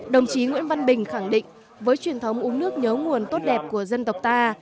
đồng chí nguyễn văn bình khẳng định với truyền thống uống nước nhớ nguồn tốt đẹp của dân tộc ta